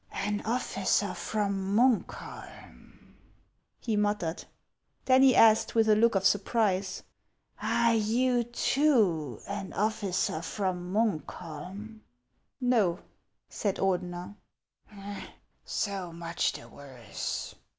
"An officer from Munkholm ?" he muttered. Then he asked, with a look of surprise, "Are you too an officer from Munkholm ?" "No," said Ordener. " So much the worse